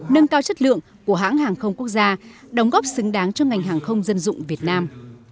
nâng cao chất lượng của hãng hàng không quốc gia đóng góp xứng đáng cho ngành hàng không dân dụng việt nam